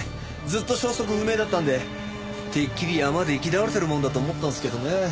ずっと消息不明だったんでてっきり山で行き倒れてるもんだと思ったんですけどね。